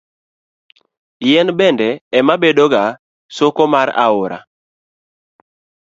Yien bende ema bedoga soko mar aore.